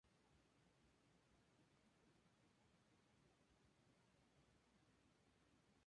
Muchos metales preciosos se utilizan en forma de aleación.